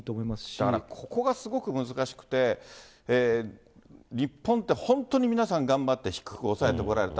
だからここがすごく難しくて、日本って本当に皆さん頑張って低く抑えてこられた。